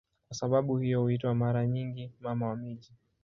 Kwa sababu hiyo huitwa mara nyingi "Mama wa miji".